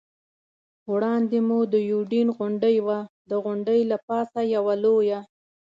وړاندې مو د یوډین غونډۍ وه، د غونډۍ له پاسه یوه لویه.